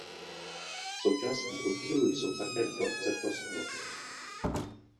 Součástí oddílu jsou také dvorce pro squash.